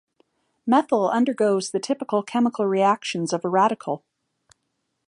Methyl undergoes the typical chemical reactions of a radical.